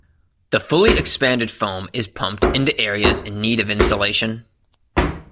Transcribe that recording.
The fully expanded foam is pumped into areas in need of insulation.